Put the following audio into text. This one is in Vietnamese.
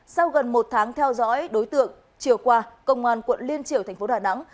sau gần một tháng theo dõi đối tượng chiều qua công an quận liên triều thành phố đà nẵng